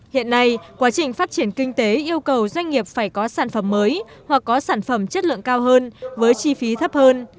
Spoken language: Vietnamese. hiện nay quá trình phát triển kinh tế yêu cầu doanh nghiệp phải có sản phẩm mới hoặc có sản phẩm chất lượng cao hơn với chi phí thấp hơn